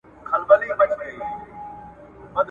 بد هلک بیرته بدیو ته ولاړ سي ,